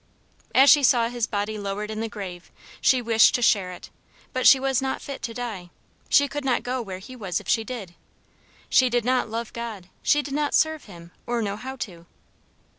As she saw his body lowered in the grave she wished to share it; but she was not fit to die. She could not go where he was if she did. She did not love God; she did not serve him or know how to.